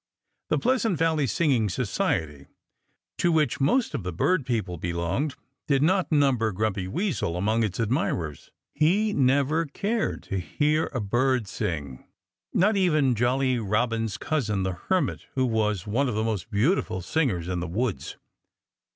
The Pleasant Valley Singing Society, to which most of the bird people belonged, did not number Grumpy Weasel among its admirers. He never cared to hear a bird sing not even Jolly Robin's cousin the Hermit, who was one of the most beautiful singers in the woods.